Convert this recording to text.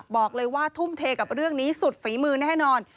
บอกเลยว่าทุ่มเทกับเรื่องนี้สุดฝีมือแน่นอน